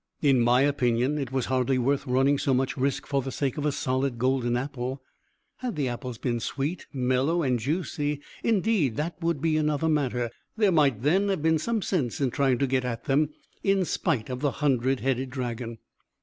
In my opinion it was hardly worth running so much risk for the sake of a solid golden apple. Had the apples been sweet, mellow, and juicy, indeed that would be another matter. There might then have been some sense in trying to get at them, in spite of the hundred headed dragon.